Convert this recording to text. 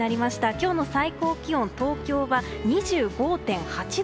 今日の最高気温東京は２５．８度。